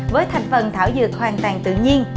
với thành phần thảo dược hoàn toàn tự nhiên